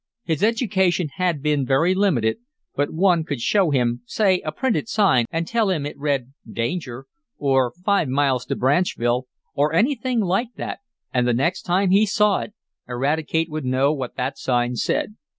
His education had been very limited, but one could show him, say, a printed sign and tell him it read "Danger" or "Five miles to Branchville," or anything like that, and the next time he saw it, Eradicate would know what that sign said.